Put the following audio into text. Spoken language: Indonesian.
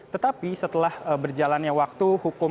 tetapi setelah berjalannya waktu